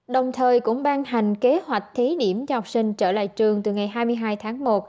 đồng thời cũng ban hành kế hoạch thí điểm cho học sinh trở lại trường từ ngày hai mươi hai tháng một